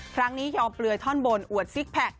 ยอมเปลือยท่อนบนอวดซิกแพค